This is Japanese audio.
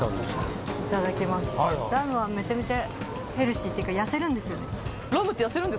ラムはめちゃめちゃヘルシーっていうか痩せるんですよね。